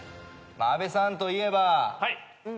阿部さんといえば。